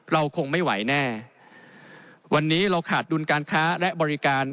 เราคงไม่ไหวแน่วันนี้เราขาดดุลการค้าและบริการ